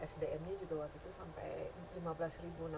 sdn nya juga waktu itu sampai